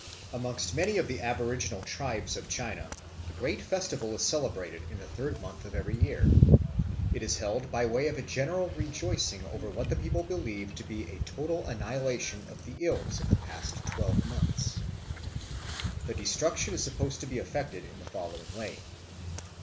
Amongst many of the aboriginal tribes of China, a great festival is celebrated in the third month of every year. It is held by way of a general rejoicing over what the people believe to be a total annihilation of the ills of the past twelve months. The destruction is supposed to be effected in the following way.